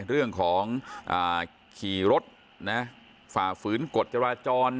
เรื่องของอ่าขี่รถเนี้ยฝ่าฝืนกฎจราจร